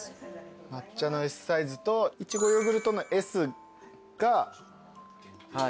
抹茶のＳサイズと苺ヨーグルトのＳが２つ。